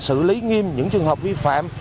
xử lý nghiêm những trường hợp vi phạm